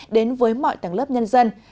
đến với mọi tầng lớp nhân dân